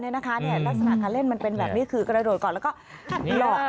ลักษณะการเล่นมันเป็นแบบนี้คือกระโดดก่อนแล้วก็หลอก